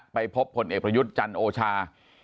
ไปพบผลเอกประยุทธ์จันโอชา